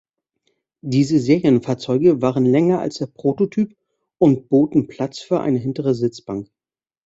Diese Serienfahrzeuge waren länger als der Prototyp und boten Platz für eine hintere Sitzbank.